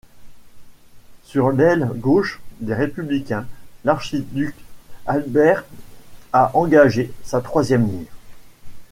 Sur l'aile gauche des Républicains, l'archiduc Albert a engagé sa troisième ligne.